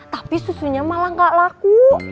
tapi susunya malah gak laku